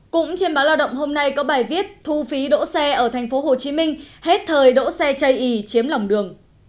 cũng trên báo lao động hôm nay có bài viết thu phí đỗ xe ở tp hcm hết thời đỗ xe chay y chiếm lòng đường